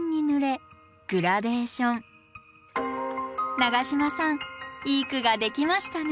永島さんいい句が出来ましたね。